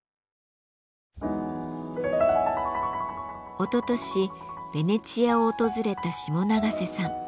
おととしベネチアを訪れた下永瀬さん。